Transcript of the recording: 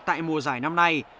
tại mùa giải năm nay